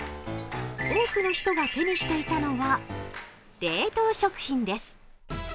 多くの人が手にしていたのは、冷凍食品です。